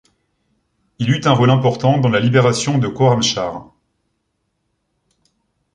Il eut un rôle important dans la libération de Khorramshahr.